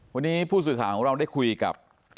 วันนี้ผู้สื่อข่าวของเราได้คุยกับ